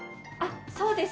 そうですね。